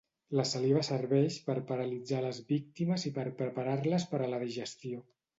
La saliva serveix per paralitzar a les víctimes i per preparar-les per a la digestió.